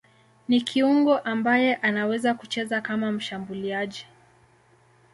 Ni kiungo ambaye anaweza kucheza kama mshambuliaji.